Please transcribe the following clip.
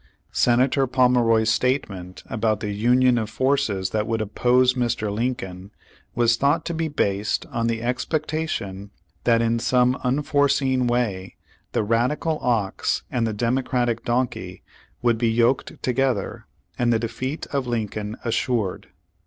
Senator Pomeroy's statement about the ''Union of forces that would oppose" Mr. Lincoln, was thought to be based on the expectation that in some unforeseen way the Radical ox and the Democratic donkey would be yoked together, and the defeat of Lincoln assured.